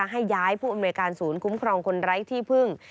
ให้ย้ายผู้อำนวยการศูนย์คุ้มครองคนไร้ที่พึ่ง